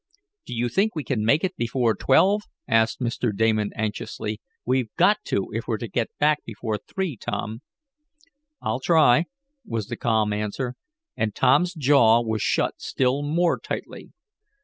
"Do you think we can make it before twelve?" asked Mr. Damon anxiously. "We've got to, if we're to get back before three, Tom." "I'll try," was the calm answer, and Tom's jaw was shut still more tightly.